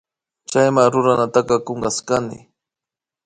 Chayma ruranataka kunkashkani